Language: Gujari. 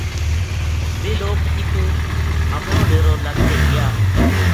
ویہ لوک اِتو اپنو ڈیرو لَد کے گیا